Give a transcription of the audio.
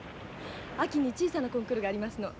秋に小さなコンクールがありますの。